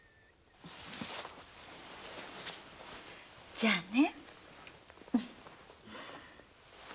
じゃあね。